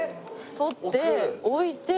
取って置いて。